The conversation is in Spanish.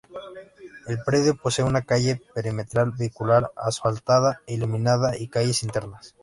El predio posee una calle perimetral vehicular, asfaltada e iluminada, y calles internas.